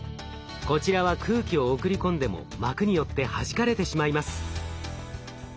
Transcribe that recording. こちらは空気を送り込んでも膜によってはじかれてしまいます。